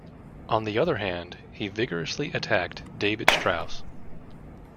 On the other hand, he vigorously attacked David Strauss.